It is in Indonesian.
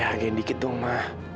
ya agen dikit dong ma